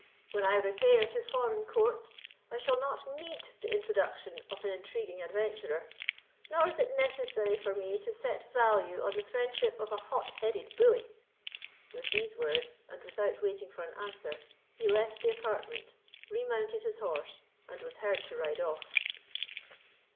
When I repair to foreign courts, I shall not need the introduction of an intriguing adventurer, nor is it necessary for me to set value on the friendship of a hot headed bully." With these words, and without waiting for an answer, he left the apartment, remounted his horse, and was heard to ride off.